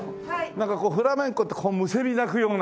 なんかこうフラメンコってこうむせび泣くようなね。